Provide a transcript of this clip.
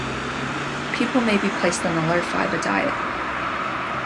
People may be placed on a low fibre diet.